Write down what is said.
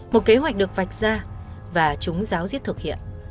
một kế hoạch được vạch ra và chúng giáo diết thực hiện